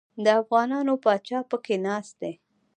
د افغانانو پاچا پکښې ناست دی.